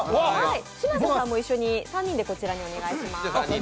嶋佐さんも一緒に、３人でこちらにお願いします。